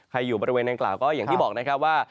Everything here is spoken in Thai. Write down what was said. อยู่บริเวณนางกล่าวก็อย่างที่บอกนะครับว่า